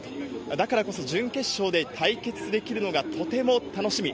だからこそ準決勝で対決できるのがとても楽しみ。